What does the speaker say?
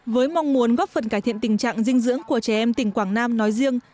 với mong muốn góp phần cải thiện tình trạng dinh dưỡng của trẻ em tỉnh quảng nam nói riêng